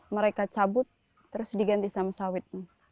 mereka cabut terus diganti sama sawit